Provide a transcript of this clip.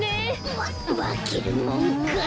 ままけるもんか！